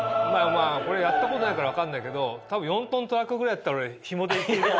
これやったことないから分かんないけど多分４トントラックぐらいだったら俺ひもで引けると思う。